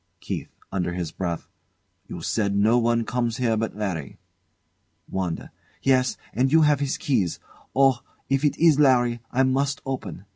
KEITH. [Under his breath] You said no one comes but Larry. WANDA. Yes, and you have his keys. Oh! if it is Larry! I must open!